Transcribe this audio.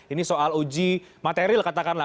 ini soal uji materil katakanlah